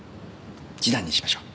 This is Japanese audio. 示談にしましょう。